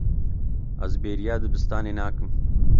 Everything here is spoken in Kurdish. Ez bêriya dibistanê nakim.